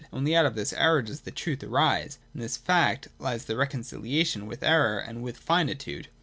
Only out of this error does the truth arise. In this fact lies the reconciliation with error and with finitude.